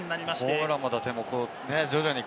ホームランも打点も徐々に。